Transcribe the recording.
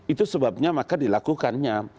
itu sebabnya maka dilakukannya